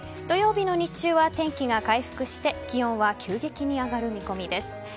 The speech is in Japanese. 土曜日の日中は天気が回復して気温は急激に上がる見込みです。